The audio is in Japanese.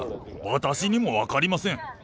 私にも分かりません。